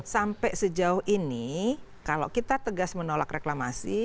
sampai sejauh ini kalau kita tegas menolak reklamasi